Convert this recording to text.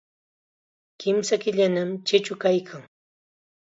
Kimsa killanam chichu kaykan.